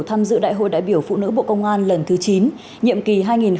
tham dự đại hội đại biểu phụ nữ bộ công an lần thứ chín nhiệm kỳ hai nghìn hai mươi hai nghìn hai mươi năm